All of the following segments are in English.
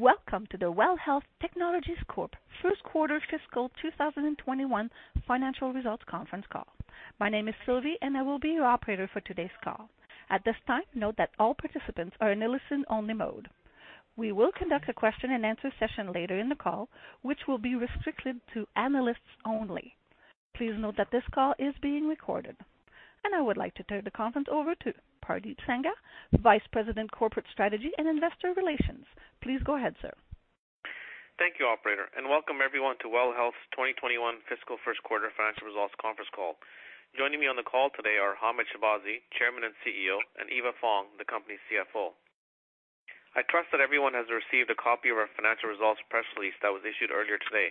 Welcome to the WELL Health Technologies Corp. Q1 fiscal 2021 financial results conference call. My name is Sylvie, and I will be your operator for today's call. At this time, note that all participants are in a listen-only mode. We will conduct a question and answer session later in the call, which will be restricted to analysts only. Please note that this call is being recorded. I would like to turn the conference over to Pardeep Sangha, Vice President, Corporate Strategy and Investor Relations. Please go ahead, sir. Thank you, operator, and welcome everyone to WELL Health's 2021 fiscal Q1 financial results conference call. Joining me on the call today are Hamed Shahbazi, Chairman and CEO, and Eva Fong, the company's CFO. I trust that everyone has received a copy of our financial results press release that was issued earlier today.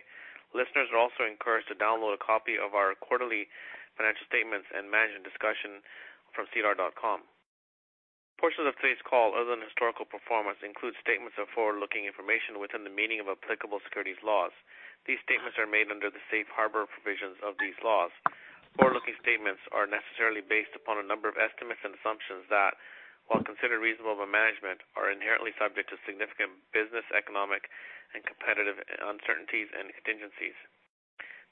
Listeners are also encouraged to download a copy of our quarterly financial statements and management discussion and analysis from sedar.com. Portions of today's call, other than historical performance, includes statements of forward-looking information within the meaning of applicable securities laws. These statements are made under the safe harbor provisions of these laws. Forward-looking statements are necessarily based upon a number of estimates and assumptions that, while considered reasonable by management, are inherently subject to significant business, economic, and competitive uncertainties and contingencies.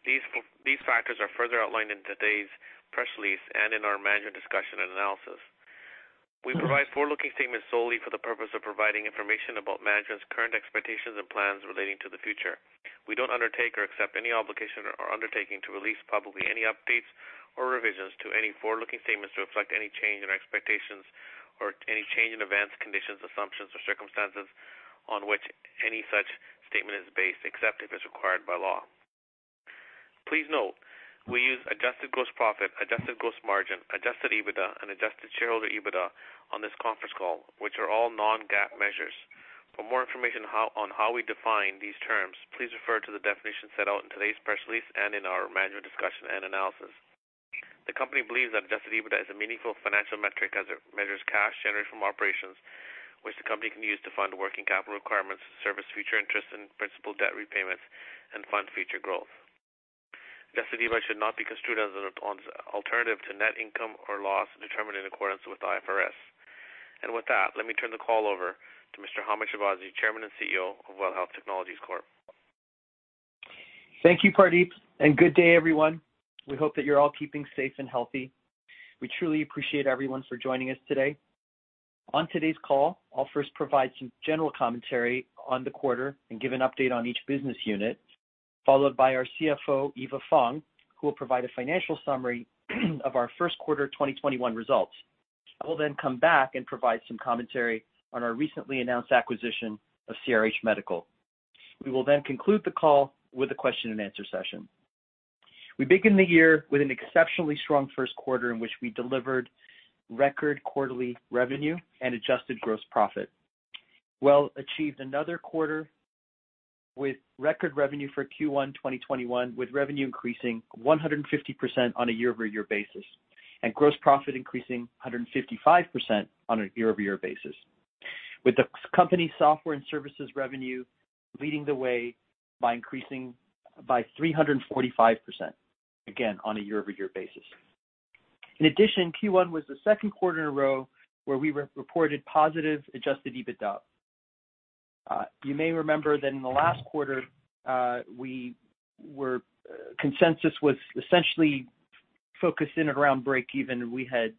These factors are further outlined in today's press release and in our management discussion and analysis. We provide forward-looking statements solely for the purpose of providing information about management's current expectations and plans relating to the future. We don't undertake or accept any obligation or undertaking to release publicly any updates or revisions to any forward-looking statements to reflect any change in our expectations or any change in events, conditions, assumptions, or circumstances on which any such statement is based, except if it's required by law. Please note, we use adjusted gross profit, adjusted gross margin, adjusted EBITDA, and adjusted shareholder EBITDA on this conference call, which are all non-GAAP measures. For more information on how we define these terms, please refer to the definition set out in today's press release and in our management discussion and analysis. The company believes that adjusted EBITDA is a meaningful financial metric as it measures cash generated from operations, which the company can use to fund working capital requirements, service future interest and principal debt repayments, and fund future growth. Adjusted EBITDA should not be construed as an alternative to net income or loss determined in accordance with IFRS. With that, let me turn the call over to Mr. Hamed Shahbazi, Chairman and CEO of WELL Health Technologies Corp. Thank you, Pardeep. Good day, everyone. We hope that you're all keeping safe and healthy. We truly appreciate everyone for joining us today. On today's call, I'll first provide some general commentary on the quarter and give an update on each business unit, followed by our CFO, Eva Fong, who will provide a financial summary of our Q1 2021 results. I will come back and provide some commentary on our recently announced acquisition of CRH Medical. We will conclude the call with a question and answer session. We begin the year with an exceptionally strong Q1 in which we delivered record quarterly revenue and adjusted gross profit. WELL Health achieved another quarter with record revenue for Q1 2021, with revenue increasing 150% on a year-over-year basis, and gross profit increasing 155% on a year-over-year basis, with the company's software and services revenue leading the way by increasing by 345%, again, on a year-over-year basis. In addition, Q1 was the Q2 in a row where we reported positive adjusted EBITDA. You may remember that in the last quarter, consensus was essentially focused in at around breakeven. We had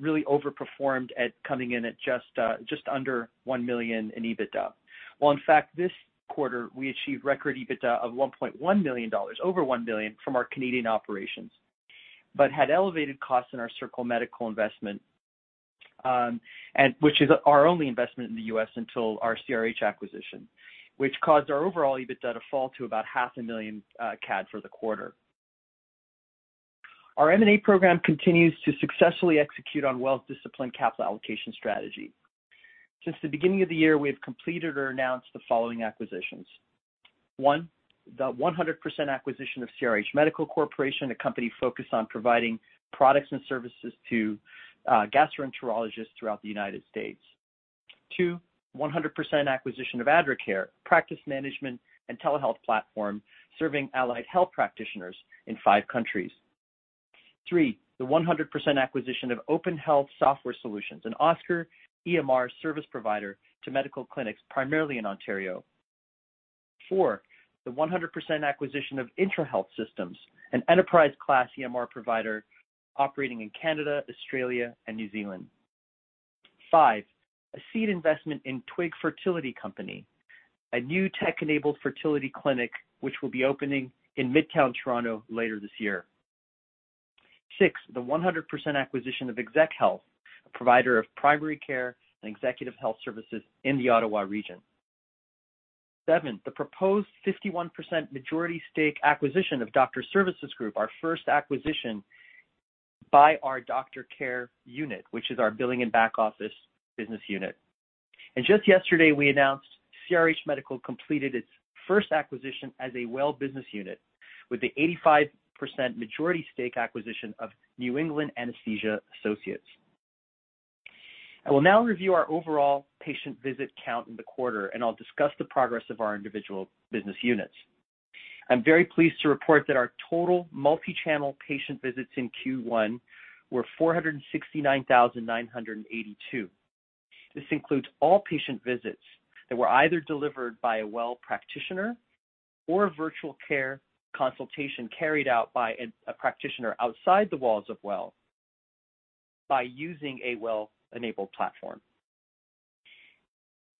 really overperformed at coming in at just under 1 million in EBITDA. Well, in fact, this quarter, we achieved record EBITDA of 1.1 million dollars, over 1 million from our Canadian operations, but had elevated costs in our Circle Medical investment, which is our only investment in the U.S. until our CRH acquisition, which caused our overall EBITDA to fall to about half a million CAD for the quarter. Our M&A program continues to successfully execute on WELL's disciplined capital allocation strategy. Since the beginning of the year, we have completed or announced the following acquisitions. One, the 100% acquisition of CRH Medical Corporation, a company focused on providing products and services to gastroenterologists throughout the U.S. Two, 100% acquisition of Adracare, practice management and telehealth platform serving allied health practitioners in five countries. Three, the 100% acquisition of Open Health Software Solutions, an OSCAR EMR service provider to medical clinics primarily in Ontario. Four, the 100% acquisition of Intrahealth Systems, an enterprise-class EMR provider operating in Canada, Australia, and New Zealand. Five, a seed investment in Twig Fertility company, a new tech-enabled fertility clinic which will be opening in midtown Toronto later this year. Six, the 100% acquisition of ExecHealth, a provider of primary care and executive health services in the Ottawa region. Seven, the proposed 51% majority stake acquisition of Doctors Services Group, our first acquisition by our DoctorCare unit, which is our billing and back office business unit. Just yesterday, we announced CRH Medical completed its first acquisition as a WELL business unit with the 85% majority stake acquisition of New England Anesthesia Associates. I will now review our overall patient visit count in the quarter, and I will discuss the progress of our individual business units. I am very pleased to report that our total multi-channel patient visits in Q1 were 469,982. This includes all patient visits that were either delivered by a WELL practitioner or a virtual care consultation carried out by a practitioner outside the walls of WELL by using a WELL-enabled platform.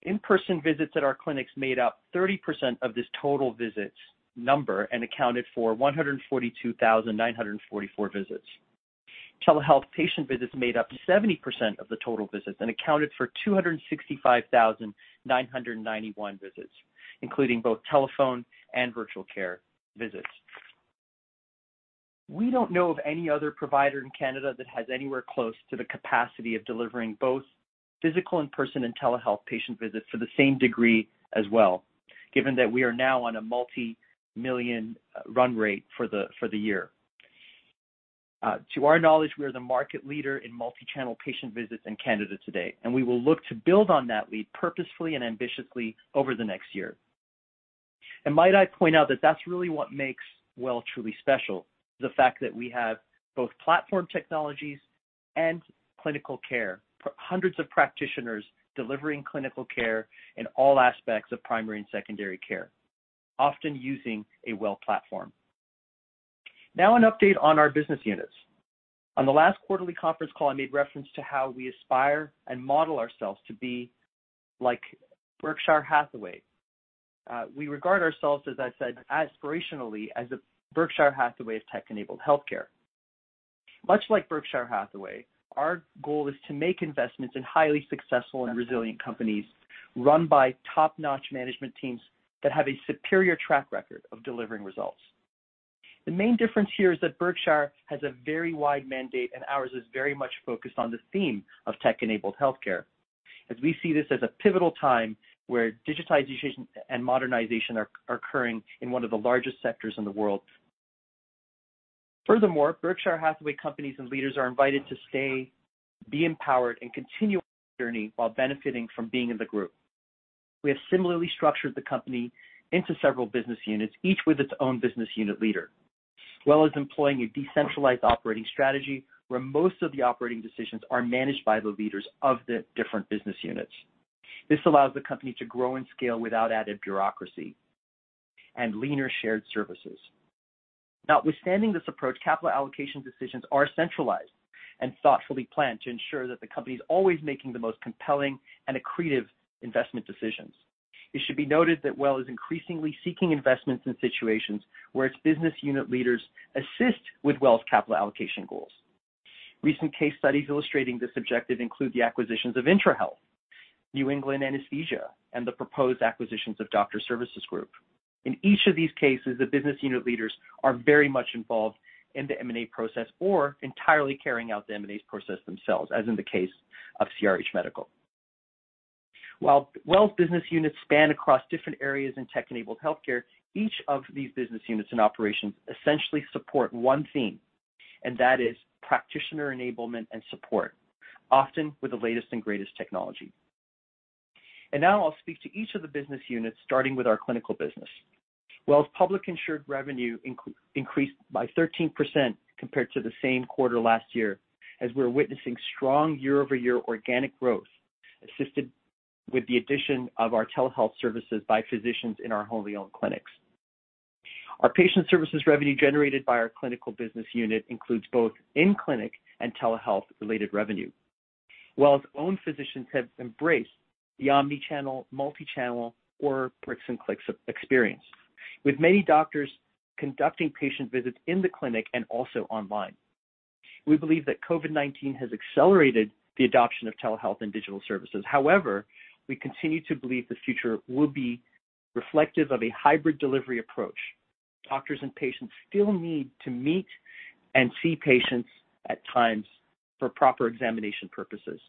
In-person visits at our clinics made up 30% of this total visits number and accounted for 142,944 visits. Telehealth patient visits made up 70% of the total visits and accounted for 265,991 visits, including both telephone and virtual care visits. We don't know of any other provider in Canada that has anywhere close to the capacity of delivering both physical, in-person, and telehealth patient visits to the same degree as WELL, given that we are now on a multi-million run rate for the year. To our knowledge, we are the market leader in multi-channel patient visits in Canada today. We will look to build on that lead purposefully and ambitiously over the next year. Might I point out that that's really what makes WELL truly special, the fact that we have both platform technologies and clinical care. Hundreds of practitioners delivering clinical care in all aspects of primary and secondary care, often using a WELL platform. Now an update on our business units. On the last quarterly conference call, I made reference to how we aspire and model ourselves to be like Berkshire Hathaway. We regard ourselves, as I said, aspirationally as a Berkshire Hathaway of tech-enabled healthcare. Much like Berkshire Hathaway, our goal is to make investments in highly successful and resilient companies run by top-notch management teams that have a superior track record of delivering results. The main difference here is that Berkshire has a very wide mandate, and ours is very much focused on the theme of tech-enabled healthcare, as we see this as a pivotal time where digitization and modernization are occurring in one of the largest sectors in the world. Furthermore, Berkshire Hathaway companies and leaders are invited to stay, be empowered and continue on their journey while benefiting from being in the group. We have similarly structured the company into several business units, each with its own business unit leader, as well as employing a decentralized operating strategy where most of the operating decisions are managed by the leaders of the different business units. This allows the company to grow and scale without added bureaucracy and leaner shared services. Notwithstanding this approach, capital allocation decisions are centralized and thoughtfully planned to ensure that the company is always making the most compelling and accretive investment decisions. It should be noted that WELL is increasingly seeking investments in situations where its business unit leaders assist with WELL's capital allocation goals. Recent case studies illustrating this objective include the acquisitions of Intrahealth, New England Anesthesia, and the proposed acquisitions of Doctors Services Group. In each of these cases, the business unit leaders are very much involved in the M&A process or entirely carrying out the M&A process themselves, as in the case of CRH Medical. While WELL's business units span across different areas in tech-enabled healthcare, each of these business units and operations essentially support one theme, and that is practitioner enablement and support, often with the latest and greatest technology. Now I'll speak to each of the business units, starting with our clinical business. WELL's public insured revenue increased by 13% compared to the same quarter last year, as we're witnessing strong year-over-year organic growth, assisted with the addition of our telehealth services by physicians in our wholly owned clinics. Our patient services revenue generated by our clinical business unit includes both in-clinic and telehealth-related revenue. WELL's own physicians have embraced the omni-channel, multi-channel or bricks and clicks experience, with many doctors conducting patient visits in the clinic and also online. We believe that COVID-19 has accelerated the adoption of telehealth and digital services. However, we continue to believe the future will be reflective of a hybrid delivery approach. Doctors and patients still need to meet and see patients at times for proper examination purposes.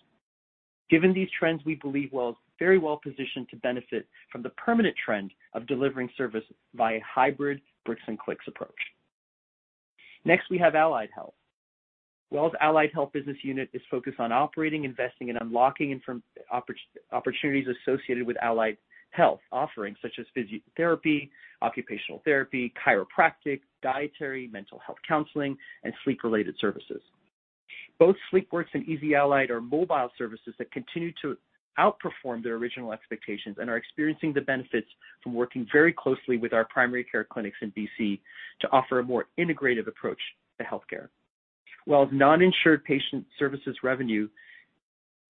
Given these trends, we believe WELL is very well positioned to benefit from the permanent trend of delivering service via a hybrid bricks and clicks approach. Next, we have Allied Health. WELL's Allied Health business unit is focused on operating, investing, and unlocking opportunities associated with allied health offerings such as physiotherapy, occupational therapy, chiropractic, dietary, mental health counseling, and sleep-related services. Both SleepWorks and Easy Allied are mobile services that continue to outperform their original expectations and are experiencing the benefits from working very closely with our primary care clinics in BC to offer a more integrative approach to healthcare. WELL's non-insured patient services revenue,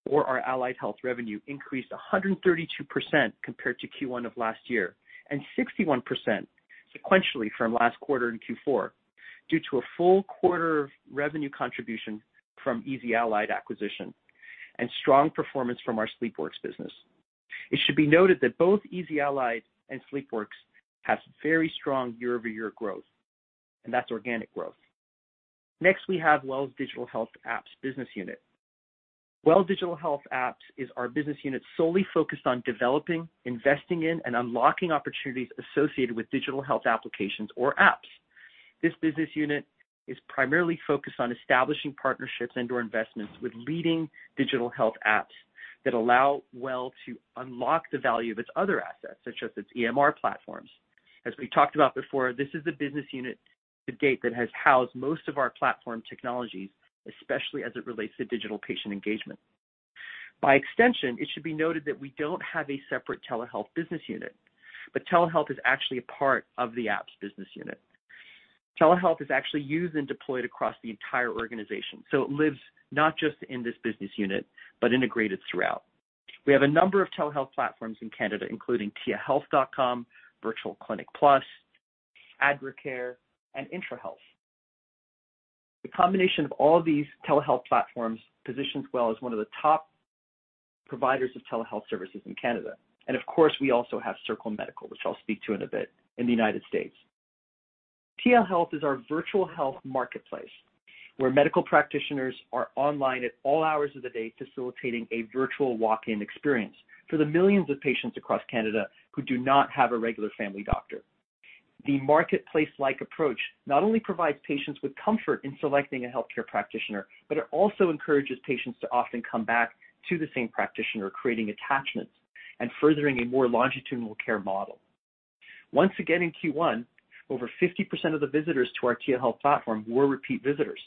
or our Allied Health revenue, increased 132% compared to Q1 of last year and 61% sequentially from last quarter in Q4 due to a full quarter of revenue contribution from Easy Allied acquisition and strong performance from our SleepWorks business. It should be noted that both Easy Allied and SleepWorks have very strong year-over-year growth, and that's organic growth. We have WELL's Digital Health Apps business unit. WELL Digital Health Apps is our business unit solely focused on developing, investing in, and unlocking opportunities associated with digital health applications or apps. This business unit is primarily focused on establishing partnerships and/or investments with leading digital health apps that allow WELL to unlock the value of its other assets, such as its EMR platforms. We talked about before, this is the business unit to date that has housed most of our platform technologies, especially as it relates to digital patient engagement. By extension, it should be noted that we don't have a separate telehealth business unit, but telehealth is actually a part of the apps business unit. Telehealth is actually used and deployed across the entire organization. It lives not just in this business unit, but integrated throughout. We have a number of telehealth platforms in Canada, including tiahealth.com, VirtualClinic+, Adracare, and Intrahealth. The combination of all these telehealth platforms positions WELL as one of the top providers of telehealth services in Canada. Of course, we also have Circle Medical, which I'll speak to in a bit in the United States. Tia Health is our virtual health marketplace, where medical practitioners are online at all hours of the day, facilitating a virtual walk-in experience for the millions of patients across Canada who do not have a regular family doctor. The marketplace-like approach not only provides patients with comfort in selecting a healthcare practitioner, but it also encourages patients to often come back to the same practitioner, creating attachments and furthering a more longitudinal care model. Once again, in Q1, over 50% of the visitors to our Tia Health platform were repeat visitors.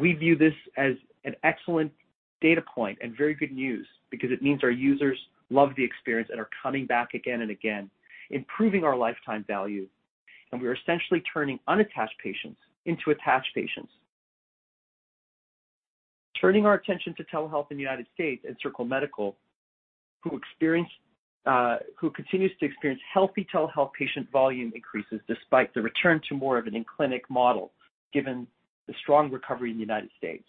We view this as an excellent data point and very good news because it means our users love the experience and are coming back again and again, improving our lifetime value, and we are essentially turning unattached patients into attached patients. Turning our attention to telehealth in the United States and Circle Medical, who continues to experience healthy telehealth patient volume increases despite the return to more of an in-clinic model, given the strong recovery in the United States.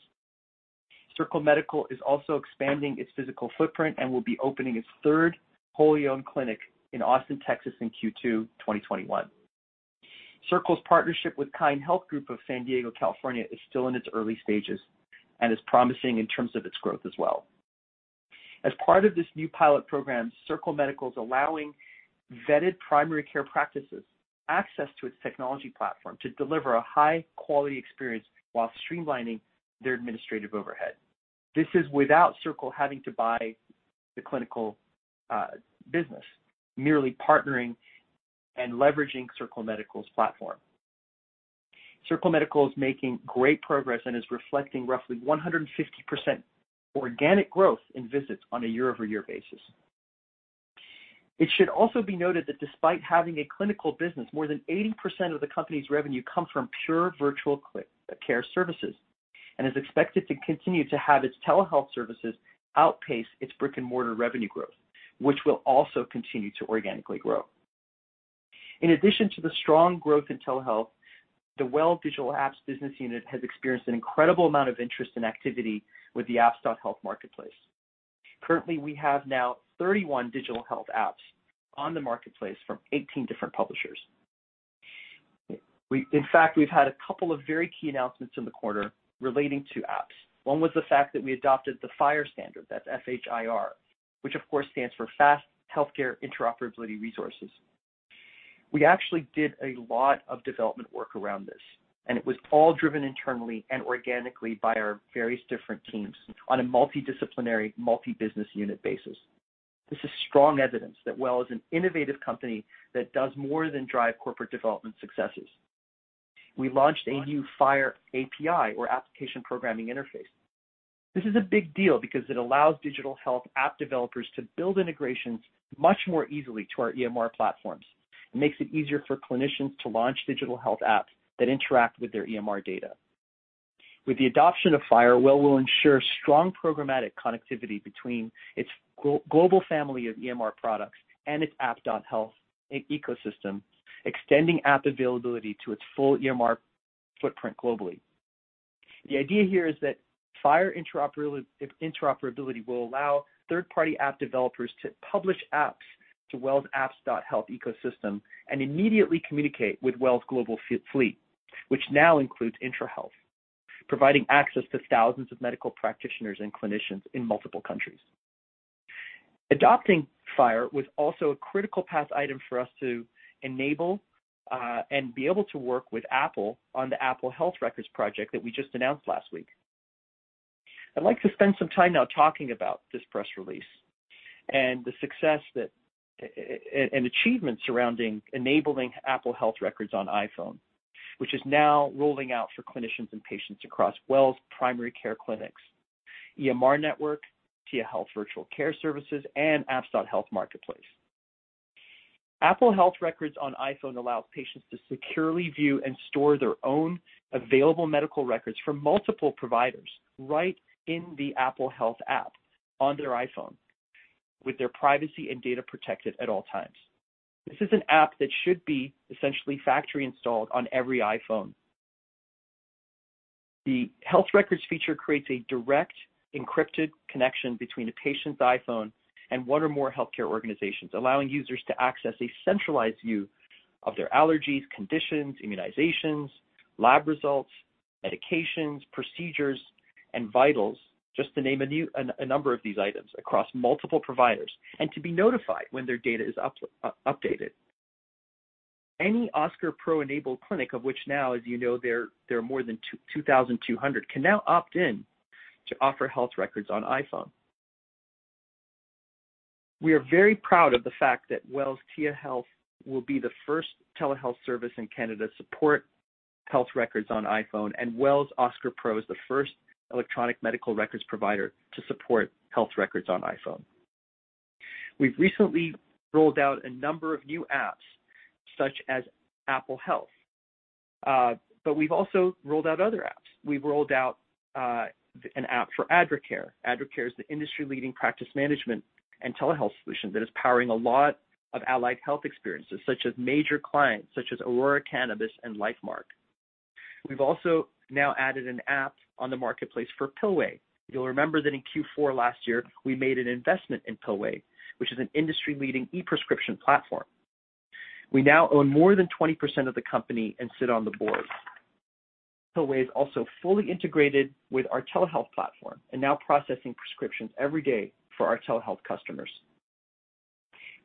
Circle Medical is also expanding its physical footprint and will be opening its third wholly owned clinic in Austin, Texas in Q2 2021. Circle's partnership with Kind Health Group of San Diego, California is still in its early stages and is promising in terms of its growth as well. As part of this new pilot program, Circle Medical is allowing vetted primary care practices access to its technology platform to deliver a high-quality experience while streamlining their administrative overhead. This is without Circle having to buy the clinical business, merely partnering and leveraging Circle Medical's platform. Circle Medical is making great progress and is reflecting roughly 150% organic growth in visits on a year-over-year basis. It should also be noted that despite having a clinical business, more than 80% of the company's revenue comes from pure virtual care services and is expected to continue to have its telehealth services outpace its brick-and-mortar revenue growth, which will also continue to organically grow. In addition to the strong growth in telehealth, the WELL Digital Apps business unit has experienced an incredible amount of interest and activity with the apps.health marketplace. Currently, we have now 31 digital health apps on the marketplace from 18 different publishers. In fact, we've had a couple of very key announcements in the quarter relating to apps. One was the fact that we adopted the FHIR standard, that's F-H-I-R, which of course stands for Fast Healthcare Interoperability Resources. We actually did a lot of development work around this, and it was all driven internally and organically by our various different teams on a multidisciplinary, multi-business unit basis. This is strong evidence that WELL is an innovative company that does more than drive corporate development successes. We launched a new FHIR API or application programming interface. This is a big deal because it allows digital health app developers to build integrations much more easily to our EMR platforms and makes it easier for clinicians to launch digital health apps that interact with their EMR data. With the adoption of FHIR, WELL will ensure strong programmatic connectivity between its global family of EMR products and its apps.health ecosystem, extending app availability to its full EMR footprint globally. The idea here is that FHIR interoperability will allow third-party app developers to publish apps to WELL's apps.health ecosystem and immediately communicate with WELL's global fleet, which now includes Intrahealth, providing access to thousands of medical practitioners and clinicians in multiple countries. Adopting FHIR was also a critical path item for us to enable and be able to work with Apple on the Apple Health Records project that we just announced last week. I'd like to spend some time now talking about this press release and the success and achievement surrounding enabling Apple Health Records on iPhone, which is now rolling out for clinicians and patients across WELL's primary care clinics, EMR network, Tia Health Virtual Care Services, and apps.health marketplace. Apple Health Records on iPhone allows patients to securely view and store their own available medical records from multiple providers right in the Apple Health app on their iPhone with their privacy and data protected at all times. This is an app that should be essentially factory installed on every iPhone. The health records feature creates a direct, encrypted connection between a patient's iPhone and one or more healthcare organizations, allowing users to access a centralized view of their allergies, conditions, immunizations, lab results, medications, procedures and vitals, just to name a number of these items across multiple providers, and to be notified when their data is updated. Any OSCAR Pro-enabled clinic, of which now, as you know, there are more than 2,200, can now opt in to offer Health Records on iPhone. We are very proud of the fact that WELL's Tia Health will be the first telehealth service in Canada to support Health Records on iPhone, and WELL's OSCAR Pro is the first electronic medical records provider to support Health Records on iPhone. We've recently rolled out a number of new apps, such as Apple Health, we've also rolled out other apps. We've rolled out an app for Adracare. Adracare is the industry-leading practice management and telehealth solution that is powering a lot of allied health experiences, such as major clients, such as Aurora Cannabis and Lifemark. We've also now added an app on the marketplace for Pillway. You'll remember that in Q4 last year, we made an investment in Pillway, which is an industry-leading e-prescription platform. We now own more than 20% of the company and sit on the board. Pillway is also fully integrated with our telehealth platform and now processing prescriptions every day for our telehealth customers.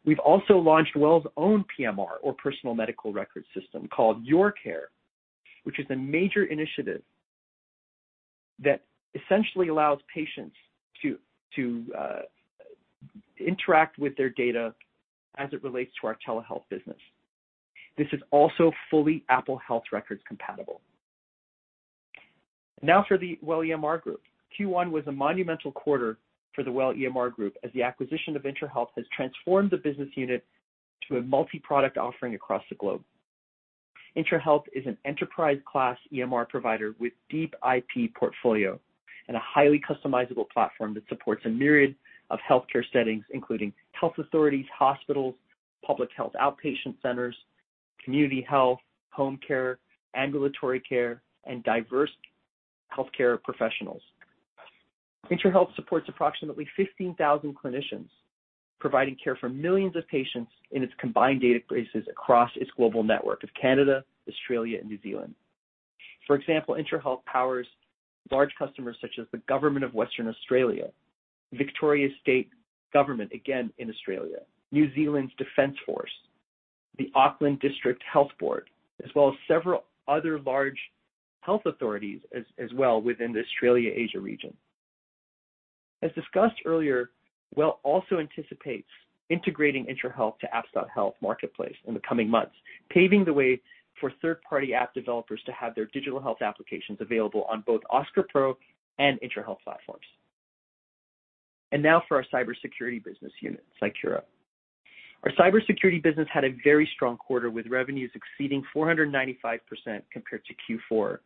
We've also launched WELL's own PMR, or personal medical record system, called YourCare, which is a major initiative that essentially allows patients to interact with their data as it relates to our telehealth business. This is also fully Apple Health Records compatible. For the WELL EMR group. Q1 was a monumental quarter for the WELL EMR group, as the acquisition of Intrahealth has transformed the business unit to a multi-product offering across the globe. Intrahealth is an enterprise-class EMR provider with deep IP portfolio and a highly customizable platform that supports a myriad of healthcare settings, including health authorities, hospitals, public health outpatient centers, community health, home care, ambulatory care, and diverse healthcare professionals. Intrahealth supports approximately 15,000 clinicians, providing care for millions of patients in its combined databases across its global network of Canada, Australia, and New Zealand. For example, Intrahealth powers large customers such as the government of Western Australia; Victoria State Government, again, in Australia; New Zealand Defence Force; the Auckland District Health Board; as well as several other large health authorities as well within the Australia-Asia region. As discussed earlier, WELL also anticipates integrating Intrahealth to apps.health marketplace in the coming months, paving the way for third-party app developers to have their digital health applications available on both OSCAR Pro and Intrahealth platforms. Now for our cybersecurity business unit, Cycura. Our cybersecurity business had a very strong quarter, with revenues exceeding 495% compared to Q4.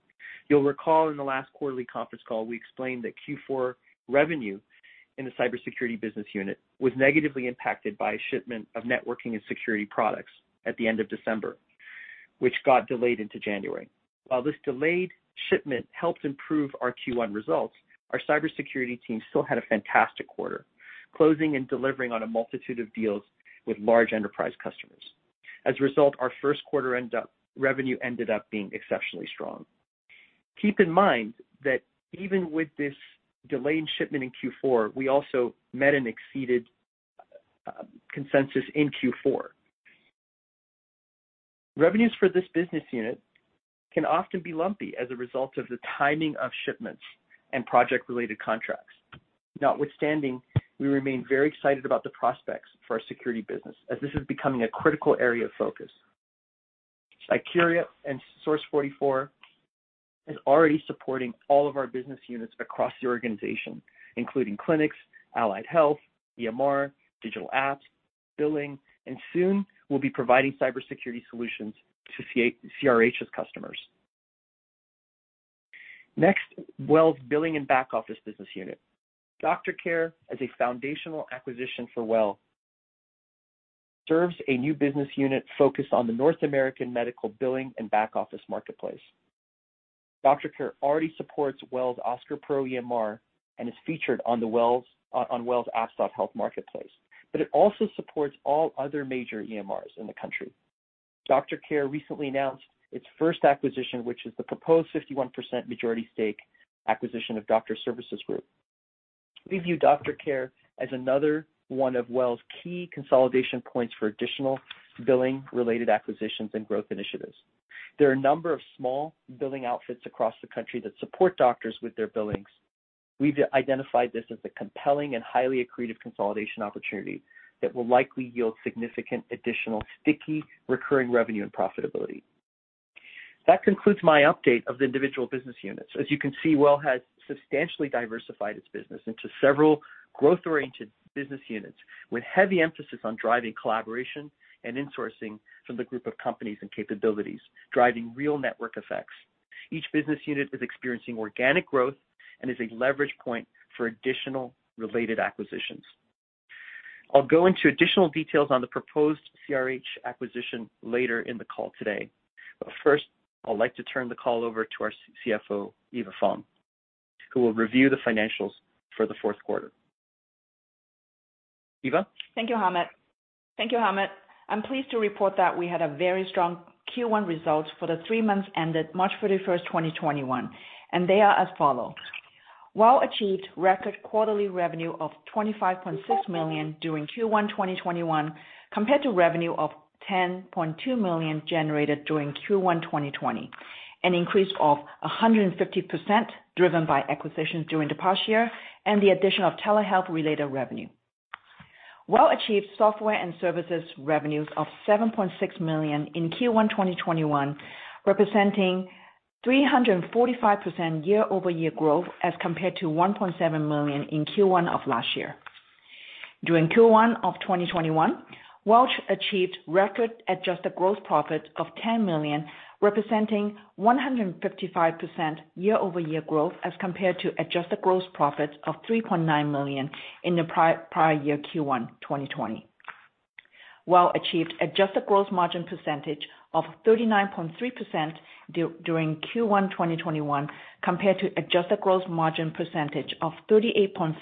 You'll recall in the last quarterly conference call, we explained that Q4 revenue in the cybersecurity business unit was negatively impacted by a shipment of networking and security products at the end of December, which got delayed into January. While this delayed shipment helped improve our Q1 results, our cybersecurity team still had a fantastic quarter, closing and delivering on a multitude of deals with large enterprise customers. As a result, our Q1 revenue ended up being exceptionally strong. Keep in mind that even with this delayed shipment in Q4, we also met and exceeded consensus in Q4. Revenues for this business unit can often be lumpy as a result of the timing of shipments and project-related contracts. Notwithstanding, we remain very excited about the prospects for our security business, as this is becoming a critical area of focus. Cycura and Source 44 is already supporting all of our business units across the organization, including clinics, allied health, EMR, digital apps, billing, and soon we'll be providing cybersecurity solutions to CRH's customers. Next, WELL's billing and back office business unit. DoctorCare, as a foundational acquisition for WELL, serves a new business unit focused on the North American medical billing and back office marketplace. DoctorCare already supports WELL's OSCAR Pro EMR and is featured on WELL's apps.health marketplace, but it also supports all other major EMRs in the country. DoctorCare recently announced its first acquisition, which is the proposed 51% majority stake acquisition of Doctors Services Group. We view DoctorCare as another one of WELL's key consolidation points for additional billing-related acquisitions and growth initiatives. There are a number of small billing outfits across the country that support doctors with their billings. We've identified this as a compelling and highly accretive consolidation opportunity that will likely yield significant additional sticky recurring revenue and profitability. That concludes my update of the individual business units. As you can see, WELL has substantially diversified its business into several growth-oriented business units with heavy emphasis on driving collaboration and insourcing from the group of companies and capabilities, driving real network effects. Each business unit is experiencing organic growth and is a leverage point for additional related acquisitions. I'll go into additional details on the proposed CRH acquisition later in the call today. First, I'd like to turn the call over to our CFO, Eva Fong, who will review the financials for the Q4. eva? Thank you, Hamed. I'm pleased to report that we had a very strong Q1 result for the three months ended March 31st, 2021, and they are as follow. WELL achieved record quarterly revenue of CAD 25.6 million during Q1 2021 compared to revenue of CAD 10.2 million generated during Q1 2020, an increase of 150% driven by acquisitions during the past year and the addition of telehealth-related revenue. WELL achieved software and services revenues of 7.6 million in Q1 2021, representing 345% year-over-year growth as compared to 1.7 million in Q1 of last year. During Q1 of 2021, WELL achieved record adjusted gross profit of 10 million, representing 155% year-over-year growth as compared to adjusted gross profit of 3.9 million in the prior year Q1 2020. WELL achieved adjusted gross margin percentage of 39.3% during Q1 2021 compared to adjusted gross margin percentage of 38.5%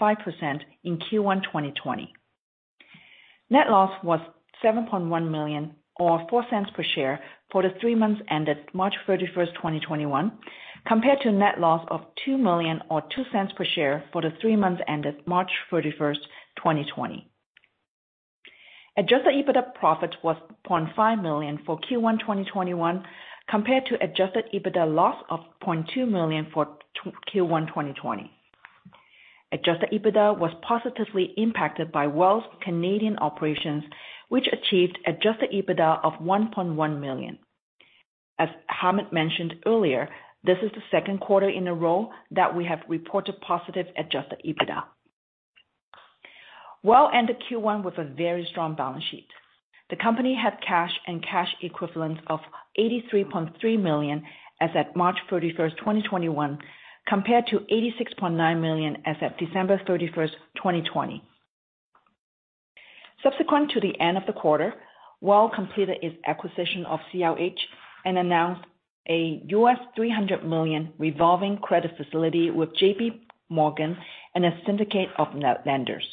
in Q1 2020. Net loss was 7.1 million, or 0.04 per share for the three months ended March 31st, 2021, compared to net loss of 2 million or 0.02 per share for the three months ended March 31st, 2020. Adjusted EBITDA profit was 0.5 million for Q1 2021 compared to adjusted EBITDA loss of 0.2 million for Q1 2020. Adjusted EBITDA was positively impacted by WELL's Canadian operations, which achieved adjusted EBITDA of 1.1 million. As Hamed mentioned earlier, this is the Q2 in a row that we have reported positive adjusted EBITDA. WELL ended Q1 with a very strong balance sheet. The company had cash and cash equivalents of 83.3 million as at March 31st, 2021, compared to 86.9 million as at December 31st, 2020. Subsequent to the end of the quarter, WELL completed its acquisition of CRH and announced a $300 million revolving credit facility with J.P. Morgan and a syndicate of net lenders.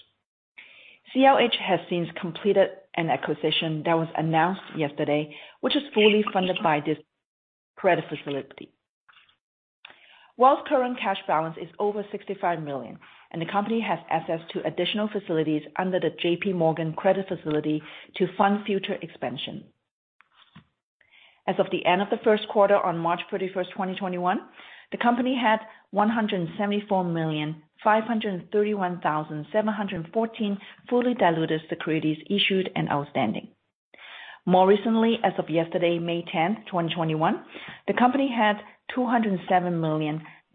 CRH has since completed an acquisition that was announced yesterday, which is fully funded by this credit facility. WELL's current cash balance is over 65 million, and the company has access to additional facilities under the JP Morgan credit facility to fund future expansion. As of the end of the Q1 on March 31st, 2021, the company had 174,531,714 fully diluted securities issued and outstanding. More recently, as of yesterday, May 10th, 2021, the company had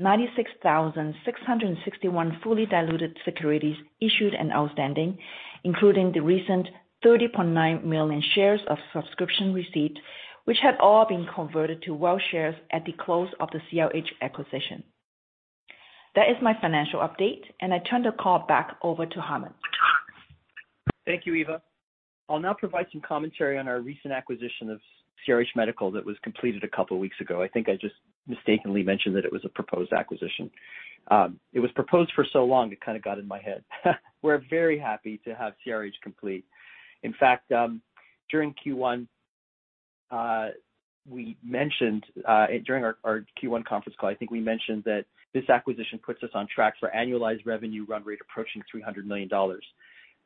207,096,661 fully diluted securities issued and outstanding, including the recent 30.9 million shares of subscription receipts, which have all been converted to WELL shares at the close of the CRH acquisition. That is my financial update, and I turn the call back over to Hamed. Thank you, Eva. I'll now provide some commentary on our recent acquisition of CRH Medical that was completed a couple of weeks ago. I think I just mistakenly mentioned that it was a proposed acquisition. It was proposed for so long, it kind of got in my head. We're very happy to have CRH complete. During our Q1 conference call, I think we mentioned that this acquisition puts us on track for annualized revenue run rate approaching 300 million dollars.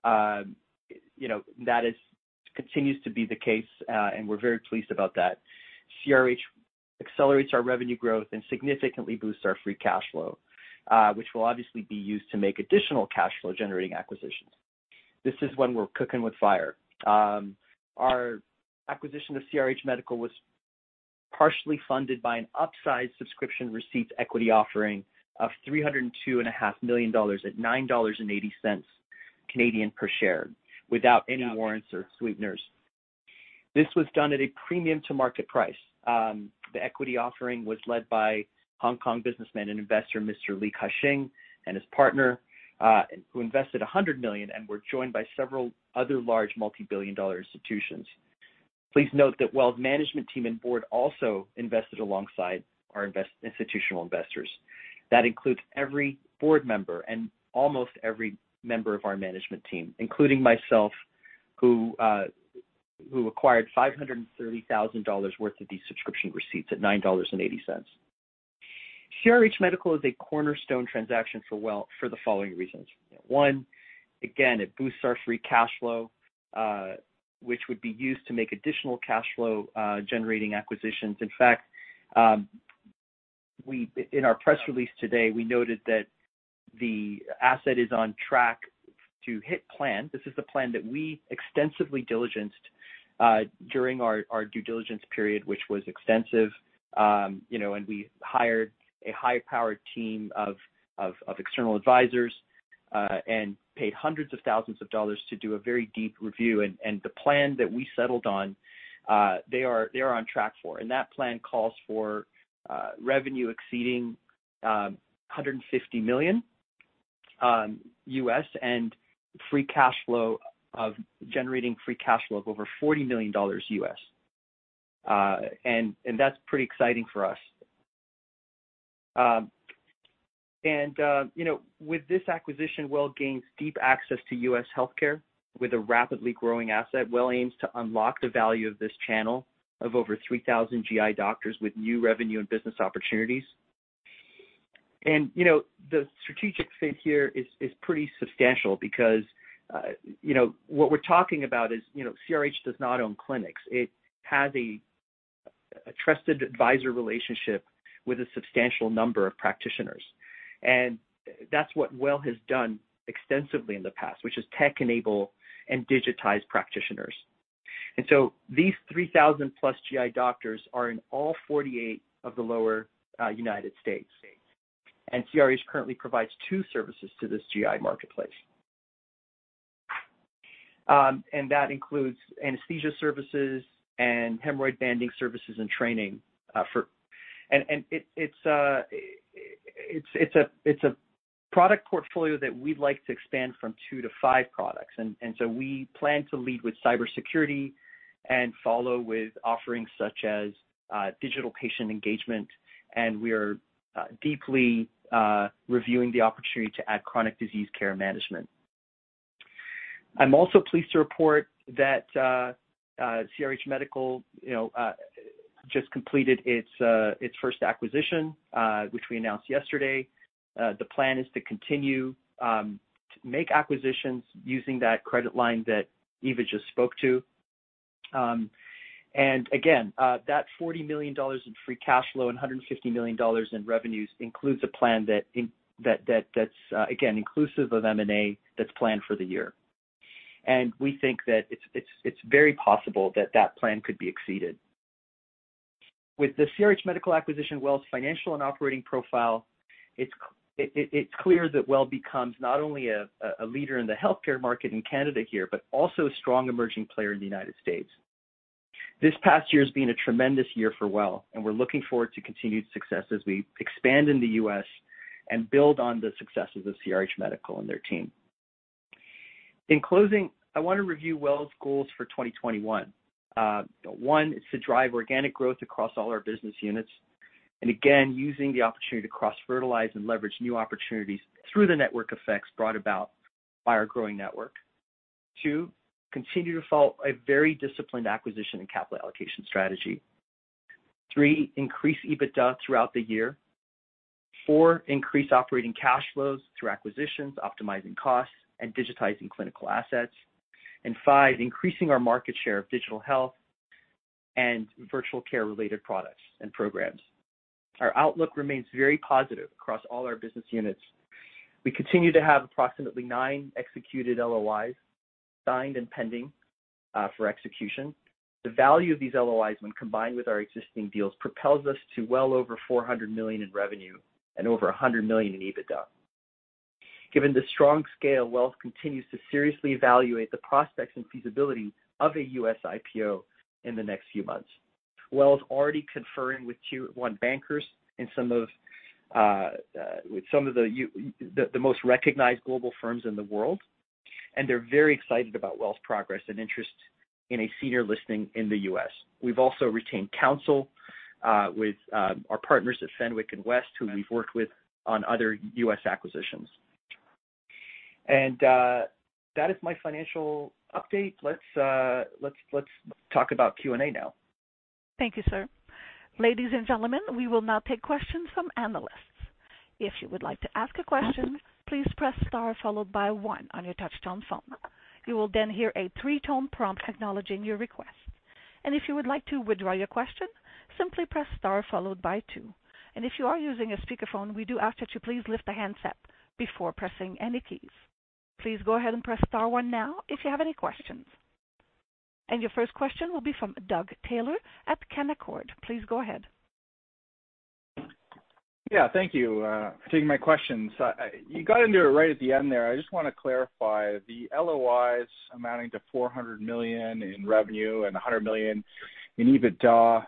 That continues to be the case, we're very pleased about that. CRH accelerates our revenue growth and significantly boosts our free cash flow, which will obviously be used to make additional cash flow generating acquisitions. This is when we're cooking with fire. Our acquisition of CRH Medical was partially funded by an upsized subscription receipts equity offering of 302.5 million dollars at 9.80 Canadian dollars per share, without any warrants or sweeteners. This was done at a premium to market price. The equity offering was led by Hong Kong businessman and investor Mr. Li Ka-shing and his partner, who invested 100 million and were joined by several other large multi-billion dollar institutions. Please note that WELL's management team and board also invested alongside our institutional investors. That includes every board member and almost every member of our management team, including myself, who acquired 530,000 dollars worth of these subscription receipts at 9.80 dollars. CRH Medical is a cornerstone transaction for WELL for the following reasons. One, again, it boosts our free cash flow, which would be used to make additional cash flow generating acquisitions. In fact, in our press release today, we noted that the asset is on track to hit plan. This is the plan that we extensively diligenced during our due diligence period, which was extensive. We hired a high-powered team of external advisors, and paid hundreds of thousands of dollars to do a very deep review. The plan that we settled on, they are on track for. That plan calls for revenue exceeding $150 million and generating free cash flow of over $40 million. That's pretty exciting for us. With this acquisition, WELL gains deep access to U.S. healthcare with a rapidly growing asset. WELL aims to unlock the value of this channel of over 3,000 GI doctors with new revenue and business opportunities. The strategic fit here is pretty substantial because what we're talking about is CRH does not own clinics. It has a trusted advisor relationship with a substantial number of practitioners. That's what WELL has done extensively in the past, which is tech enable and digitize practitioners. These 3,000+ GI doctors are in all 48 of the lower United States. CRH currently provides two services to this GI marketplace. That includes anesthesia services and hemorrhoid banding services and training. It's a product portfolio that we'd like to expand from two to five products. We plan to lead with cybersecurity and follow with offerings such as digital patient engagement. We are deeply reviewing the opportunity to add chronic disease care management. I'm also pleased to report that CRH Medical just completed its first acquisition, which we announced yesterday. The plan is to continue to make acquisitions using that credit line that Eva just spoke to. That $40 million in free cash flow and $150 million in revenues includes a plan that's, again, inclusive of M&A that's planned for the year. We think that it's very possible that that plan could be exceeded. With the CRH Medical acquisition, WELL's financial and operating profile, it's clear that WELL becomes not only a leader in the healthcare market in Canada here, but also a strong emerging player in the United States. This past year has been a tremendous year for WELL, we're looking forward to continued success as we expand in the U.S. and build on the successes of CRH Medical and their team. In closing, I want to review WELL's goals for 2021. One is to drive organic growth across all our business units. Again, using the opportunity to cross-fertilize and leverage new opportunities through the network effects brought about by our growing network. Two, continue to follow a very disciplined acquisition and capital allocation strategy. Three, increase EBITDA throughout the year. Four, increase operating cash flows through acquisitions, optimizing costs, and digitizing clinical assets. Five, increasing our market share of digital health and virtual care related products and programs. Our outlook remains very positive across all our business units. We continue to have approximately nine executed LOIs signed and pending for execution. The value of these LOIs, when combined with our existing deals, propels us to well over 400 million in revenue and over 100 million in EBITDA. Given the strong scale, WELL continues to seriously evaluate the prospects and feasibility of a U.S. IPO in the next few months. WELL is already conferring with tier one bankers and with some of the most recognized global firms in the world, and they're very excited about WELL's progress and interest in a senior listing in the U.S. We've also retained counsel with our partners at Sidley Austin and Weil, who we've worked with on other U.S. acquisitions. That is my financial update. Let's talk about Q&A now. Thank you, sir. Ladies and gentlemen, we will now take questions from analysts. If you would like to ask a question, please press star followed by one on your touchtone phone. You will then hear a three-tone prompt acknowledging your request. If you would like to withdraw your question, simply press star followed by two. If you are using a speakerphone, we do ask that you please lift the handset before pressing any keys. Please go ahead and press star one now if you have any questions. Your first question will be from Doug Taylor at Canaccord. Please go ahead. Yeah. Thank you for taking my questions. You got into it right at the end there. I just want to clarify the LOIs amounting to 400 million in revenue and 100 million in EBITDA.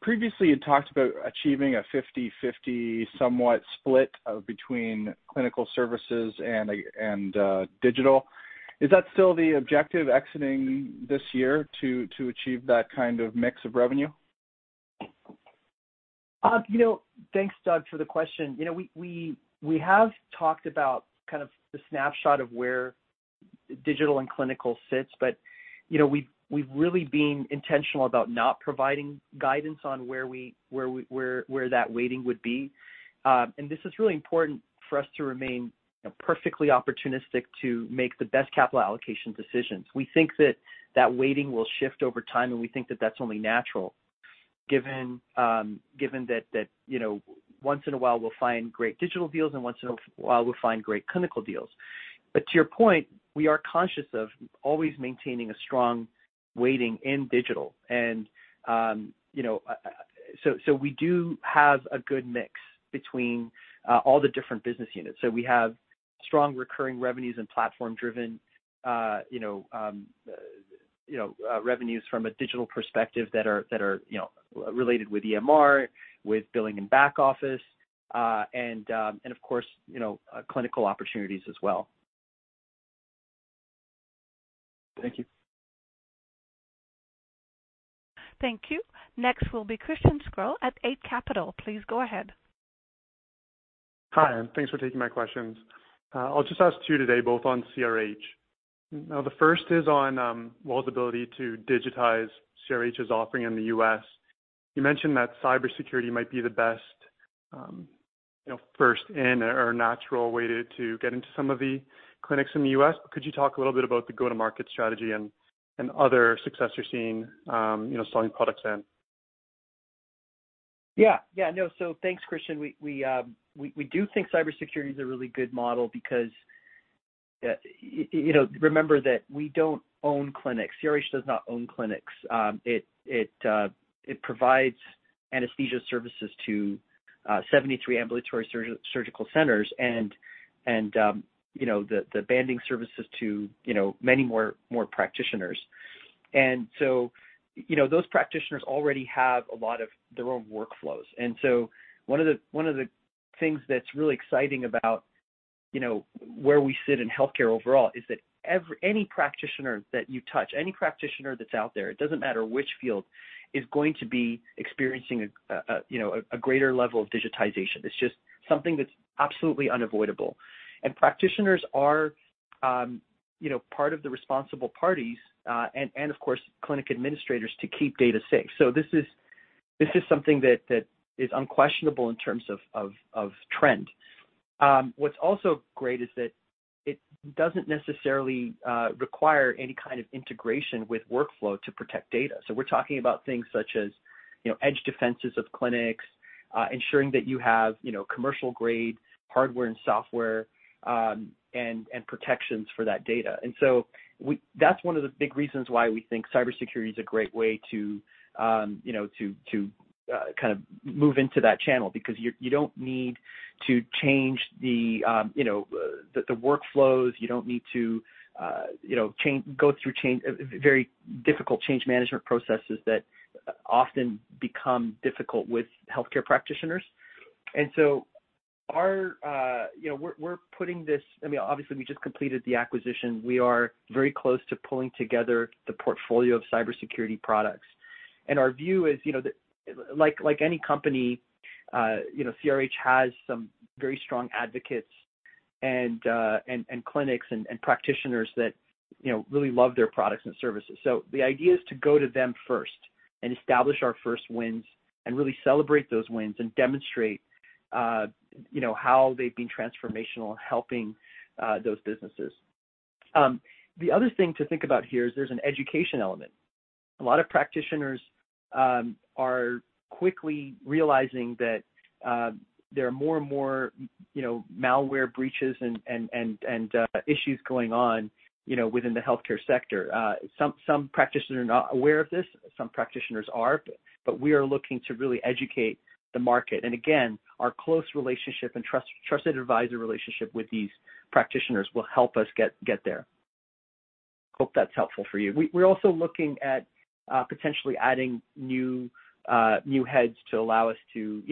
Previously, you talked about achieving a 50/50 somewhat split between clinical services and digital. Is that still the objective exiting this year to achieve that kind of mix of revenue? Thanks, Doug, for the question. We have talked about kind of the snapshot of where digital and clinical sits, we've really been intentional about not providing guidance on where that weighting would be. This is really important for us to remain perfectly opportunistic to make the best capital allocation decisions. We think that that weighting will shift over time, we think that that's only natural given that once in a while we'll find great digital deals and once in a while we'll find great clinical deals. To your point, we are conscious of always maintaining a strong weighting in digital. We do have a good mix between all the different business units. We have strong recurring revenues and platform driven revenues from a digital perspective that are related with EMR, with billing and back office, and of course, clinical opportunities as well. Thank you. Thank you. Next will be Christian Sgro at Eight Capital. Please go ahead. Hi. Thanks for taking my questions. I'll just ask two today, both on CRH. The first is on WELL's ability to digitize CRH's offering in the U.S. You mentioned that cybersecurity might be the best first in or natural way to get into some of the clinics in the U.S., but could you talk a little bit about the go-to-market strategy and other success you're seeing selling products in? Yeah. Thanks, Christian. We do think cybersecurity is a really good model because, remember that we don't own clinics. CRH does not own clinics. It provides anesthesia services to 73 ambulatory surgical centers and the banding services to many more practitioners. Those practitioners already have a lot of their own workflows. One of the things that's really exciting about where we sit in healthcare overall is that any practitioner that you touch, any practitioner that's out there, it doesn't matter which field, is going to be experiencing a greater level of digitization. It's just something that's absolutely unavoidable. Practitioners are part of the responsible parties, and of course, clinic administrators to keep data safe. This is something that is unquestionable in terms of trend. What's also great is that it doesn't necessarily require any kind of integration with workflow to protect data. We're talking about things such as edge defenses of clinics, ensuring that you have commercial-grade hardware and software, and protections for that data. That's one of the big reasons why we think cybersecurity is a great way to move into that channel, because you don't need to change the workflows, you don't need to go through very difficult change management processes that often become difficult with healthcare practitioners. Obviously, we just completed the acquisition. We are very close to pulling together the portfolio of cybersecurity products. Our view is, like any company, CRH has some very strong advocates and clinics and practitioners that really love their products and services. The idea is to go to them first and establish our first wins and really celebrate those wins and demonstrate how they've been transformational in helping those businesses. The other thing to think about here is there's an education element. A lot of practitioners are quickly realizing that there are more and more malware breaches and issues going on within the healthcare sector. Some practitioners are not aware of this, some practitioners are, but we are looking to really educate the market. Again, our close relationship and trusted advisor relationship with these practitioners will help us get there. Hope that's helpful for you. We're also looking at potentially adding new heads to allow us to,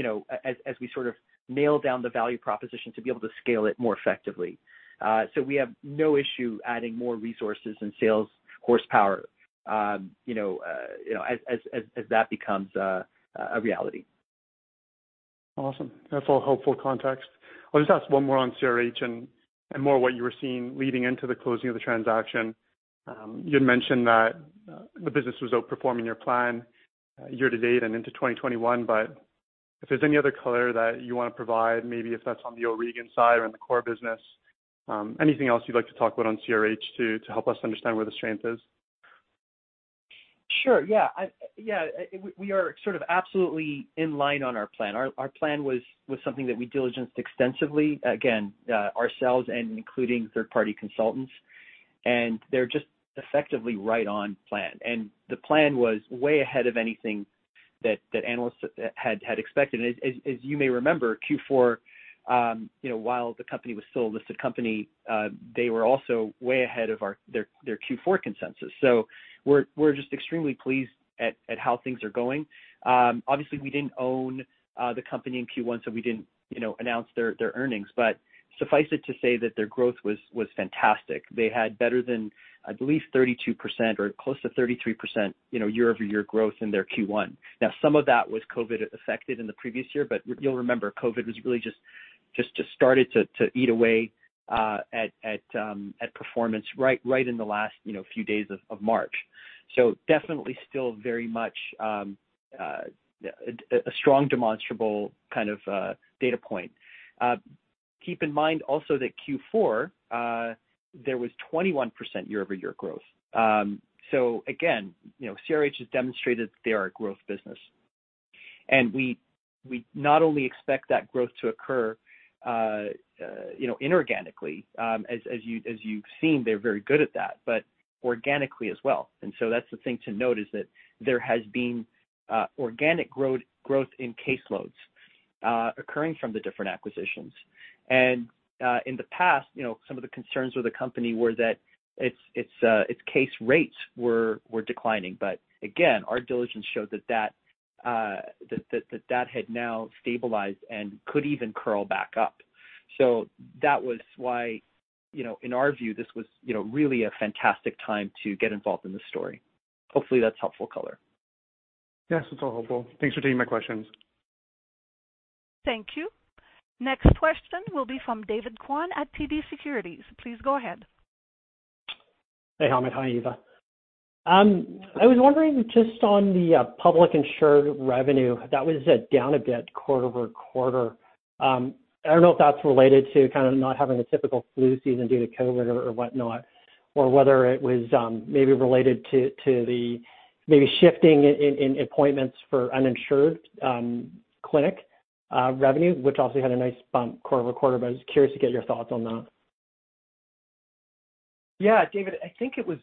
as we sort of nail down the value proposition, to be able to scale it more effectively. We have no issue adding more resources and sales horsepower as that becomes a reality. Awesome. That's all helpful context. I'll just ask one more on CRH and more what you were seeing leading into the closing of the transaction. You had mentioned that the business was outperforming your plan year to date and into 2021, but if there's any other color that you want to provide, maybe if that's on the O'Regan side or in the core business, anything else you'd like to talk about on CRH to help us understand where the strength is? Sure. Yeah. We are sort of absolutely in line on our plan. Our plan was something that we diligenced extensively, again, ourselves and including third-party consultants, and they're just effectively right on plan. The plan was way ahead of anything that analysts had expected. As you may remember, Q4, while the company was still a listed company, they were also way ahead of their Q4 consensus. We're just extremely pleased at how things are going. Obviously, we didn't own the company in Q1, so we didn't announce their earnings. Suffice it to say that their growth was fantastic. They had better than, I believe, 32% or close to 33% year-over-year growth in their Q1. Now, some of that was COVID affected in the previous year, but you'll remember COVID was really just started to eat away at performance right in the last few days of March. Definitely still very much a strong demonstrable kind of data point. Keep in mind also that Q4, there was 21% year-over-year growth. Again, CRH has demonstrated they are a growth business. We not only expect that growth to occur inorganically. As you've seen, they're very good at that, but organically as well. That's the thing to note is that there has been organic growth in caseloads occurring from the different acquisitions. In the past, some of the concerns with the company were that its case rates were declining, but again, our diligence showed that that had now stabilized and could even curl back up. That was why, in our view, this was really a fantastic time to get involved in the story. Hopefully, that's helpful color. Yes, that's all helpful. Thanks for taking my question. Thank you. Next question will be from David Kwan at TD Securities. Please go ahead. Hey, Hamed. Hi, Eva. I was wondering just on the public insured revenue, that was down a bit quarter-over-quarter. I don't know if that's related to not having a typical flu season due to COVID or whatnot, or whether it was maybe related to the maybe shifting in appointments for uninsured clinic revenue, which also had a nice bump quarter-over-quarter, I was curious to get your thoughts on that. Yeah, David, I think it was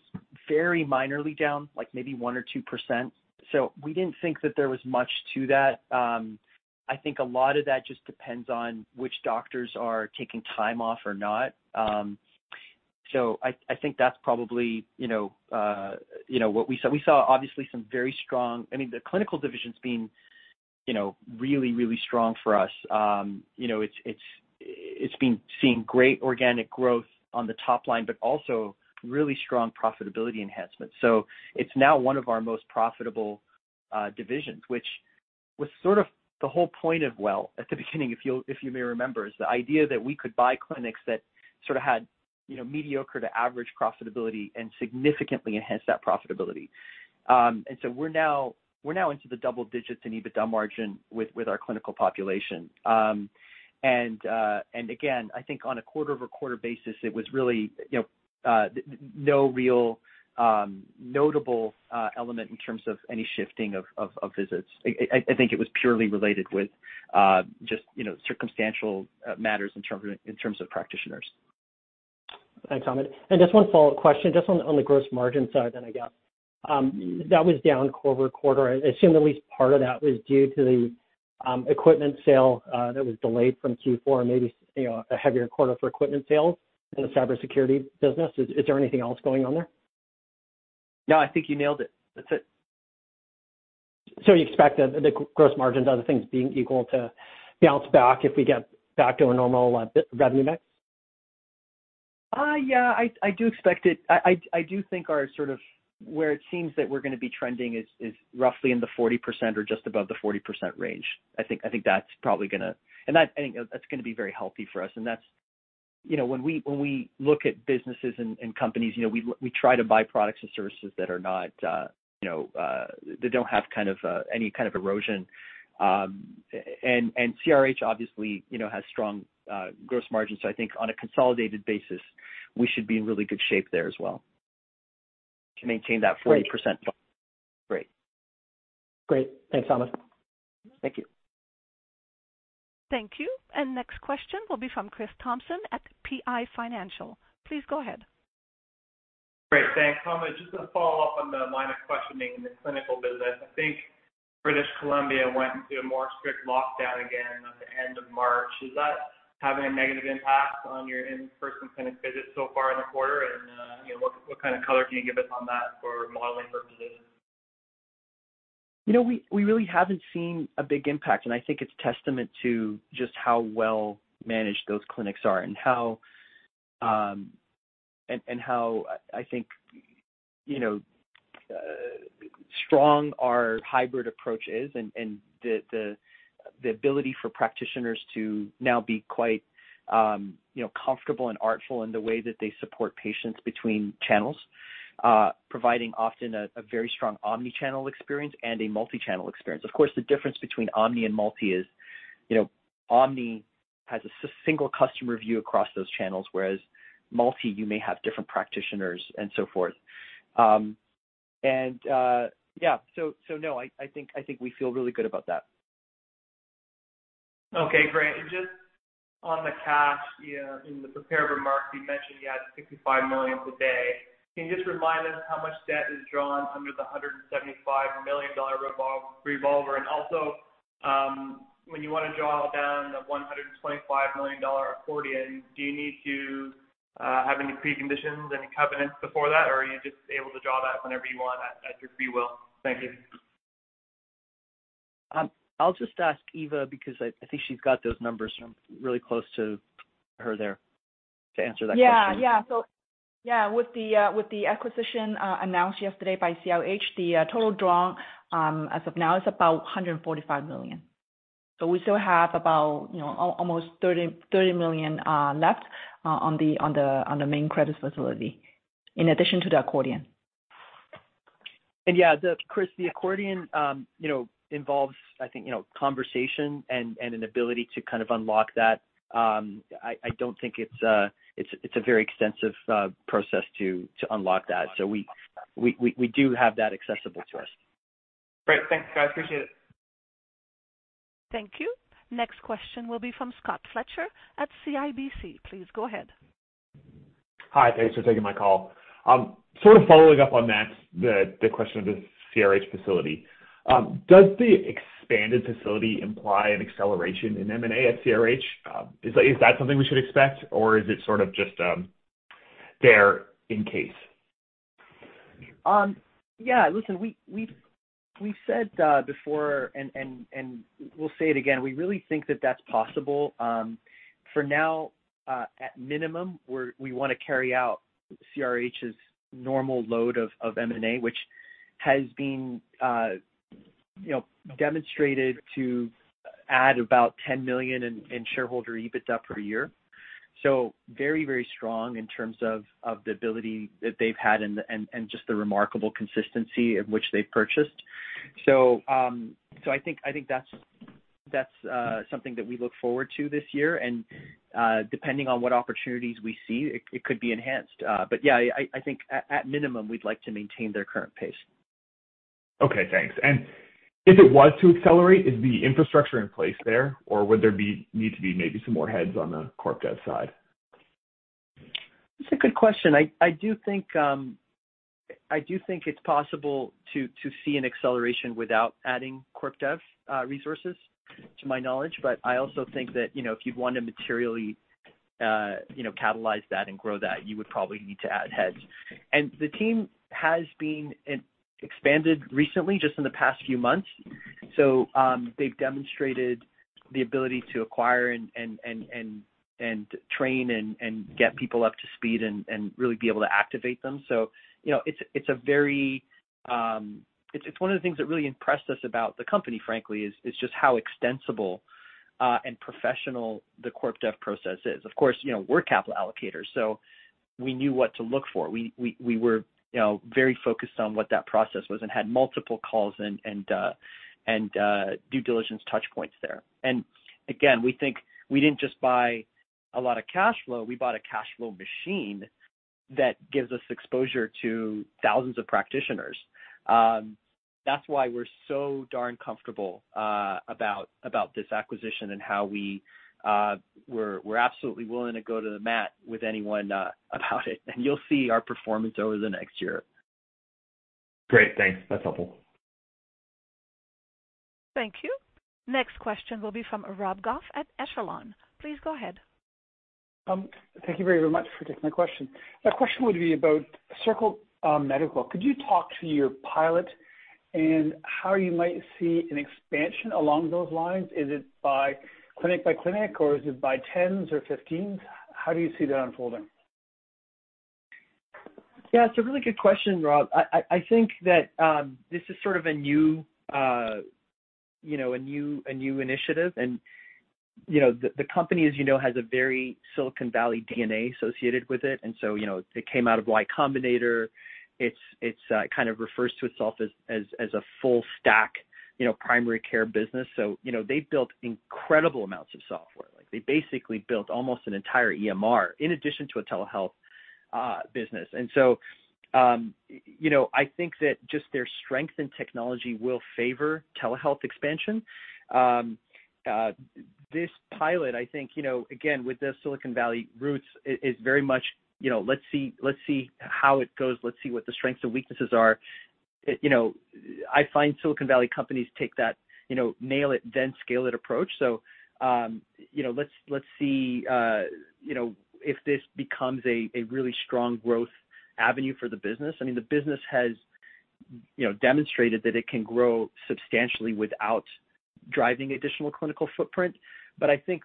very minorly down, like maybe 1% or 2%. We didn't think that there was much to that. I think a lot of that just depends on which doctors are taking time off or not. I think that's probably what we saw. The clinical division's been really strong for us. It's been seeing great organic growth on the top line, also really strong profitability enhancements. It's now one of our most profitable divisions, which was the whole point of WELL at the beginning, if you may remember. Is the idea that we could buy clinics that had mediocre to average profitability and significantly enhance that profitability. We're now into the double digits in EBITDA margin with our clinical population. Again, I think on a quarter-over-quarter basis, it was really no real notable element in terms of any shifting of visits. I think it was purely related with just circumstantial matters in terms of practitioners. Thanks, Hamed. Just one follow-up question, just on the gross margin side that I got. That was down quarter-over-quarter. I assume at least part of that was due to the equipment sale that was delayed from Q4 and maybe a heavier quarter for equipment sales in the cybersecurity business. Is there anything else going on there? No, I think you nailed it. That's it. You expect the gross margins, other things being equal, to bounce back if we get back to a normal revenue mix? Yeah, I do expect it. I do think where it seems that we're going to be trending is roughly in the 40% or just above the 40% range. I think that's going to be very healthy for us, that's when we look at businesses and companies, we try to buy products and services that don't have any kind of erosion. CRH obviously has strong gross margins, I think on a consolidated basis, we should be in really good shape there as well to maintain that 40% target. Great. Thanks, Hamed. Thank you. Thank you. Next question will be from Chris Thompson at PI Financial. Please go ahead. Great. Thanks, Hamed. Just to follow up on the line of questioning in the clinical business, I think British Columbia went into a more strict lockdown again at the end of March. Is that having a negative impact on your in-person kind of visits so far in the quarter? What kind of color can you give us on that for modeling purposes? We really haven't seen a big impact. I think it's testament to just how well managed those clinics are and how, I think, strong our hybrid approach is and the ability for practitioners to now be quite comfortable and artful in the way that they support patients between channels, providing often a very strong omni-channel experience and a multi-channel experience. Of course, the difference between omni and multi is omni has a single customer view across those channels, whereas multi, you may have different practitioners and so forth. I think we feel really good about that. Okay, great. Just on the cash, in the prepared remarks, you mentioned you had 65 million today. Can you just remind us how much debt is drawn under the 175 million dollar revolver? Also, when you want to draw down the 125 million dollar accordion, do you need to have any preconditions and covenants before that, or are you just able to draw that whenever you want at your free will? Thank you. I'll just ask Eva because I think she's got those numbers from really close to her there to answer that question. Yeah. With the acquisition announced yesterday by CRH, the total draw as of now is about 145 million. We still have about almost 30 million left on the main credit facility in addition to the accordion. Yeah, Chris, the accord involves, I think, conversation and an ability to unlock that. I don't think it's a very extensive process to unlock that. We do have that accessible to us. Great. Thanks, guys. Appreciate it. Thank you. Next question will be from Scott Fletcher at CIBC. Please go ahead. Hi, thanks for taking my call. Sort of following up on that, the question of the CRH facility. Does the expanded facility imply an acceleration in M&A at CRH? Is that something we should expect, or is it sort of just a there in case. Yeah. Listen, we've said before and we'll say it again, we really think that that's possible. For now, at minimum, we want to carry out CRH's normal load of M&A, which has been demonstrated to add about 10 million in shareholder EBITDA per year. Very strong in terms of the ability that they've had and just the remarkable consistency in which they've purchased. I think that's something that we look forward to this year. Depending on what opportunities we see, it could be enhanced. Yeah, I think at minimum, we'd like to maintain their current pace. Okay, thanks. If it was to accelerate, is the infrastructure in place there, or would there need to be maybe some more heads on the Corp Dev side? That's a good question. I do think it's possible to see an acceleration without adding corp dev resources, to my knowledge. I also think that if you'd want to materially catalyze that and grow that, you would probably need to add heads. The team has been expanded recently, just in the past few months. They've demonstrated the ability to acquire and train and get people up to speed and really be able to activate them. It's one of the things that really impressed us about the company, frankly, is just how extensible and professional the corp dev process is. Of course, we're capital allocators, so we knew what to look for. We were very focused on what that process was and had multiple calls and due diligence touch points there. Again, we think we didn't just buy a lot of cash flow, we bought a cash flow machine that gives us exposure to thousands of practitioners. That's why we're so darn comfortable about this acquisition and how we're absolutely willing to go to the mat with anyone about it. You'll see our performance over the next year. Great. Thanks. That's helpful. Thank you. Next question will be from Rob Goff at Echelon. Please go ahead. Thank you very much for taking my question. My question would be about Circle Medical. Could you talk to your pilot and how you might see an expansion along those lines? Is it by clinic by clinic, or is it by tens or 15s? How do you see that unfolding? Yeah, it's a really good question, Rob. I think that this is sort of a new initiative and the company, as you know, has a very Silicon Valley DNA associated with it. It came out of Y Combinator. It kind of refers to itself as a full stack primary care business. They've built incredible amounts of software. They basically built almost an entire EMR in addition to a telehealth business. I think that just their strength in technology will favor telehealth expansion. This pilot, I think, again, with the Silicon Valley roots, is very much, let's see how it goes, let's see what the strengths and weaknesses are. I find Silicon Valley companies take that nail it, then scale it approach. Let's see if this becomes a really strong growth avenue for the business. I think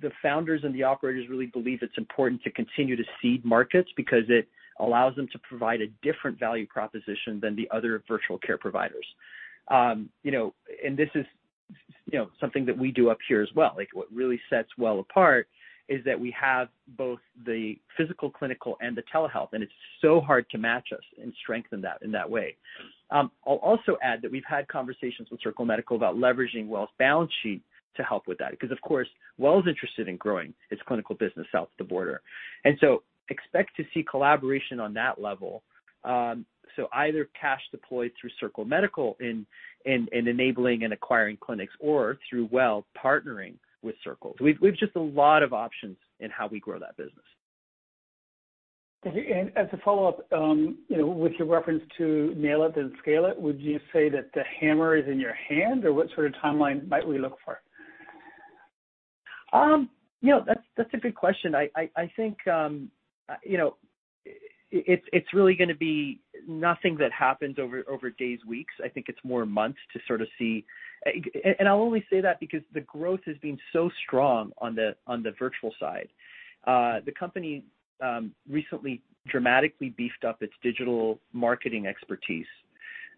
the founders and the operators really believe it's important to continue to seed markets because it allows them to provide a different value proposition than the other virtual care providers. This is something that we do up here as well. What really sets WELL apart is that we have both the physical, clinical, and the telehealth, and it's so hard to match us and strengthen that in that way. I'll also add that we've had conversations with Circle Medical about leveraging WELL's balance sheet to help with that, because of course, WELL's interested in growing its clinical business south of the border. Expect to see collaboration on that level. Either cash deployed through Circle Medical in enabling and acquiring clinics or through WELL partnering with Circle. We've just a lot of options in how we grow that business. As a follow-up, with your reference to nail it then scale it, would you say that the hammer is in your hand, or what sort of timeline might we look for? That's a good question. I think it's really going to be nothing that happens over days, weeks. I think it's more months to sort of see. I'll only say that because the growth has been so strong on the virtual side. The company recently dramatically beefed up its digital marketing expertise,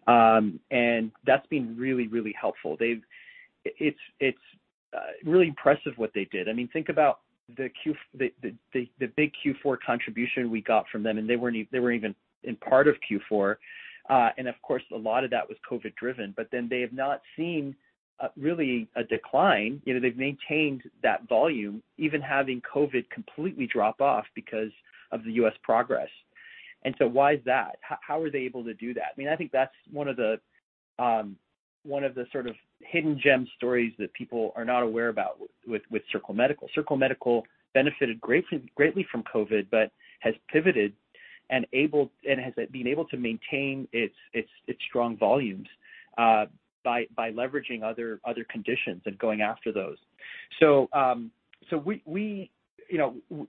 and that's been really helpful. It's really impressive what they did. Think about the big Q4 contribution we got from them, they weren't even in part of Q4. Of course, a lot of that was COVID driven, they have not seen really a decline. They've maintained that volume, even having COVID completely drop off because of the U.S. progress. Why is that? How are they able to do that? I think that's one of the sort of hidden gem stories that people are not aware about with Circle Medical. Circle Medical benefited greatly from COVID, has pivoted and has been able to maintain its strong volumes by leveraging other conditions and going after those.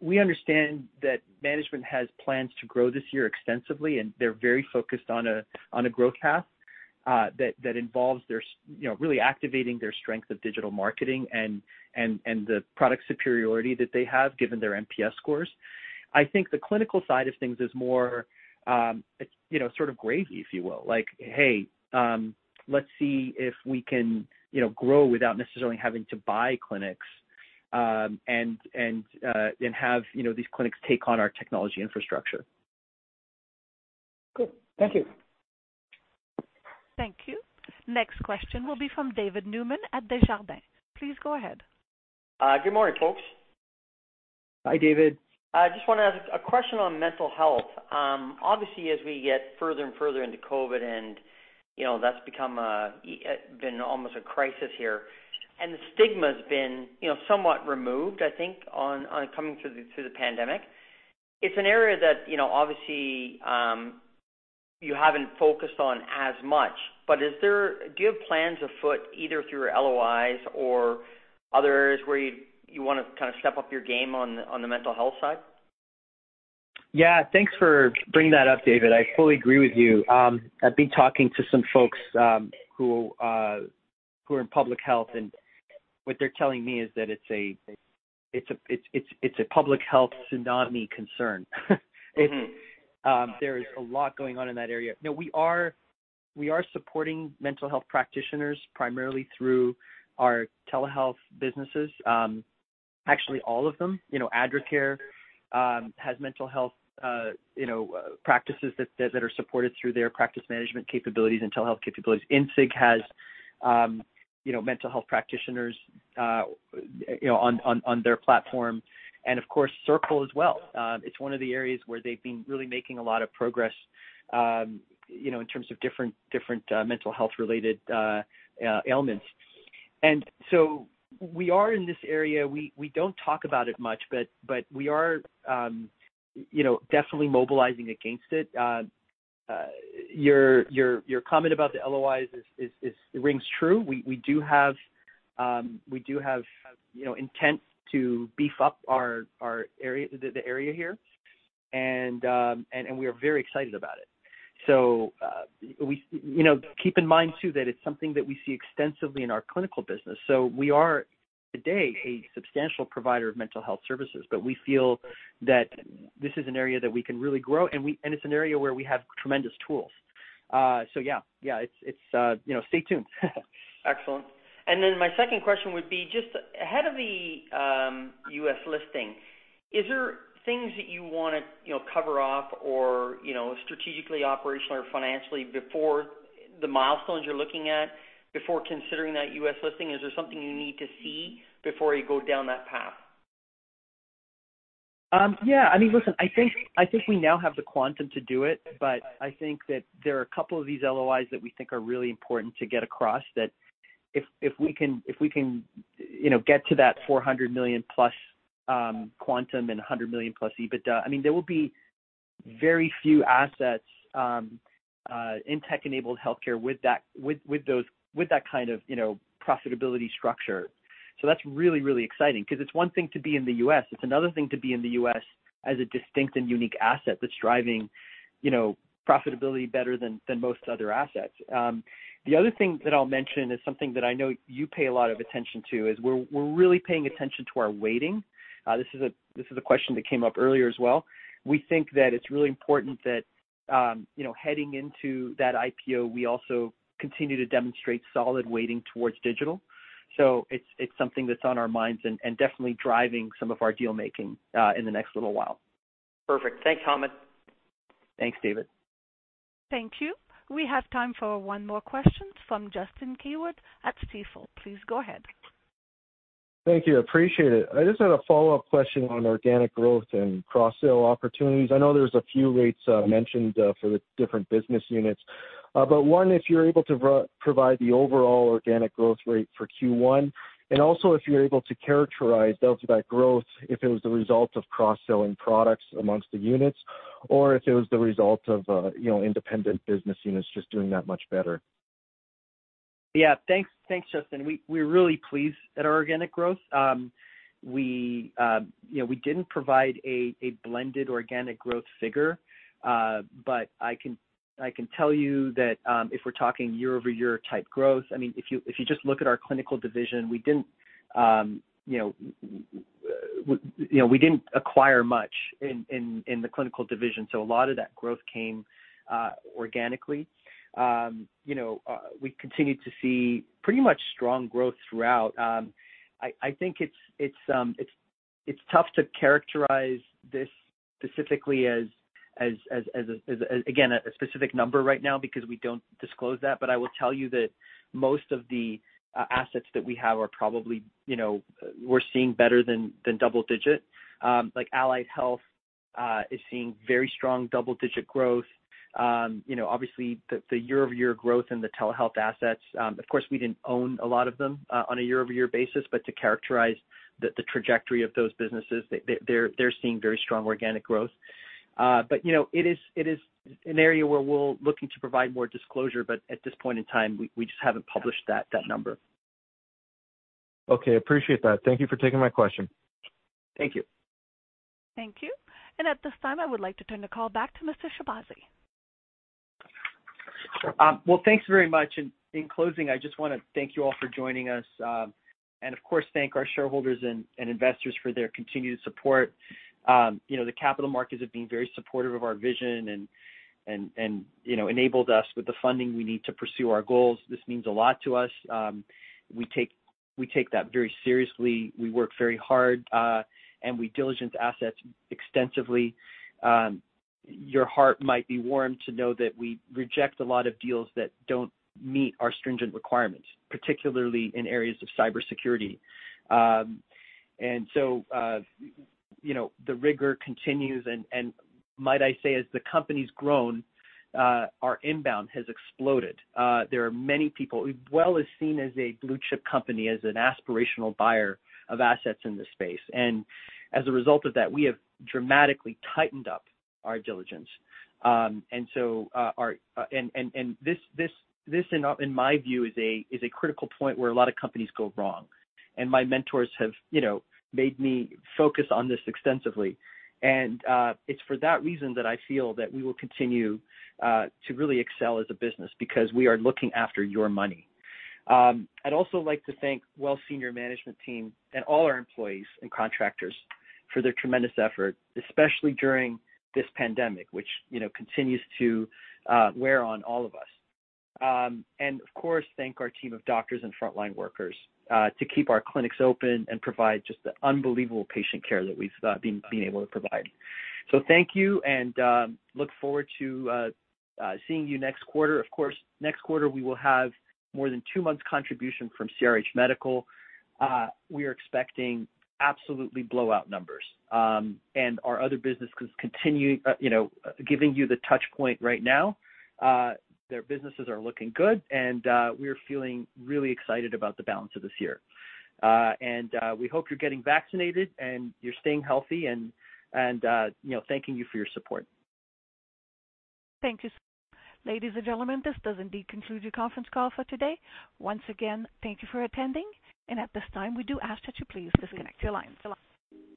We understand that management has plans to grow this year extensively, and they're very focused on a growth path, that involves really activating their strength of digital marketing and the product superiority that they have, given their NPS scores. I think the clinical side of things is more sort of gravy, if you will. Like, hey, let's see if we can grow without necessarily having to buy clinics, and have these clinics take on our technology infrastructure. Cool. Thank you. Thank you. Next question will be from David Newman at Desjardins. Please go ahead. Good morning, folks. Hi, David. I just want to ask a question on mental health. Obviously, as we get further and further into COVID, and that's been almost a crisis here, and the stigma's been somewhat removed, I think, on coming through the pandemic. It's an area that obviously, you haven't focused on as much. Do you have plans afoot, either through your LOIs or other areas where you want to kind of step up your game on the mental health side? Yeah. Thanks for bringing that up, David. I fully agree with you. I've been talking to some folks who are in public health, and what they're telling me is that it's a public health tsunami concern. There is a lot going on in that area. We are supporting mental health practitioners primarily through our telehealth businesses. All of them. Adracare has mental health practices that are supported through their practice management capabilities and telehealth capabilities. INSIG has mental health practitioners on their platform, and of course, Circle Medical as well. It's one of the areas where they've been really making a lot of progress, in terms of different mental health related ailments. We are in this area. We don't talk about it much, but we are definitely mobilizing against it. Your comment about the LOIs rings true. We do have intent to beef up the area here and we are very excited about it. Keep in mind too, that it's something that we see extensively in our clinical business. We are, today, a substantial provider of mental health services, but we feel that this is an area that we can really grow, and it's an area where we have tremendous tools. Yeah. Stay tuned. Excellent. My second question would be just ahead of the U.S. listing, is there things that you want to cover off or strategically, operationally, or financially before the milestones you're looking at, before considering that U.S. listing? Is there something you need to see before you go down that path? Yeah. Listen, I think we now have the quantum to do it, but I think that there are a couple of these LOIs that we think are really important to get across that if we can get to that 400 million-plus quantum and 100 million-plus EBITDA, there will be very few assets in tech-enabled healthcare with that kind of profitability structure. That's really, really exciting because it's one thing to be in the U.S., it's another thing to be in the U.S. as a distinct and unique asset that's driving profitability better than most other assets. The other thing that I'll mention is something that I know you pay a lot of attention to, is we're really paying attention to our weighting. This is a question that came up earlier as well. We think that it's really important that heading into that IPO, we also continue to demonstrate solid weighting towards digital. It's something that's on our minds and definitely driving some of our deal-making in the next little while. Perfect. Thanks, Hamed. Thanks, David. Thank you. We have time for one more question from Justin Keywood at Stifel. Please go ahead. Thank you. Appreciate it. I just had a follow-up question on organic growth and cross-sell opportunities. I know there's a few rates mentioned for the different business units. One, if you're able to provide the overall organic growth rate for Q1, and also if you're able to characterize delta growth, if it was the result of cross-selling products amongst the units or if it was the result of independent business units just doing that much better. Thanks, Justin. We're really pleased at our organic growth. We didn't provide a blended organic growth figure, but I can tell you that if we're talking year-over-year type growth, if you just look at our clinical division, we didn't acquire much in the clinical division, so a lot of that growth came organically. We continued to see pretty much strong growth throughout. I think it's tough to characterize this specifically as, again, a specific number right now because we don't disclose that, but I will tell you that most of the assets that we have are probably, we're seeing better than double-digit. Like Easy Allied Health is seeing very strong double-digit growth. Obviously, the year-over-year growth in the telehealth assets, of course, we didn't own a lot of them on a year-over-year basis, but to characterize the trajectory of those businesses, they're seeing very strong organic growth. It is an area where we're looking to provide more disclosure, but at this point in time, we just haven't published that number. Okay. Appreciate that. Thank you for taking my question. Thank you. Thank you. At this time, I would like to turn the call back to Mr. Shahbazi. Well, thanks very much. In closing, I just want to thank you all for joining us, and of course, thank our shareholders and investors for their continued support. The capital markets have been very supportive of our vision and enabled us with the funding we need to pursue our goals. This means a lot to us. We take that very seriously. We work very hard, and we diligence assets extensively. Your heart might be warmed to know that we reject a lot of deals that don't meet our stringent requirements, particularly in areas of cybersecurity. The rigor continues and, might I say, as the company's grown, our inbound has exploded. WELL is seen as a blue-chip company, as an aspirational buyer of assets in this space. As a result of that, we have dramatically tightened up our diligence. This, in my view, is a critical point where a lot of companies go wrong, and my mentors have made me focus on this extensively. It's for that reason that I feel that we will continue to really excel as a business because we are looking after your money. I'd also like to thank WELL senior management team and all our employees and contractors for their tremendous effort, especially during this pandemic, which continues to wear on all of us. Of course, thank our team of doctors and frontline workers to keep our clinics open and provide just the unbelievable patient care that we've been able to provide. Thank you, and look forward to seeing you next quarter. Of course, next quarter, we will have more than two months contribution from CRH Medical. We are expecting absolutely blowout numbers. Our other business giving you the touch point right now, their businesses are looking good, and we're feeling really excited about the balance of this year. We hope you're getting vaccinated and you're staying healthy, and thanking you for your support. Thank you. Ladies and gentlemen, this does indeed conclude your conference call for today. Once again, thank you for attending. At this time, we do ask that you please disconnect your lines.